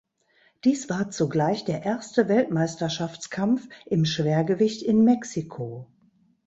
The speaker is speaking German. Dies war zugleich der erste Weltmeisterschaftskampf im Schwergewicht in Mexiko.